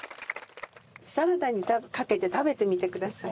サラダにかけて食べてみてください。